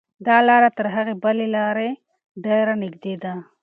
دا لاره تر هغې بلې لارې ډېره نږدې ده.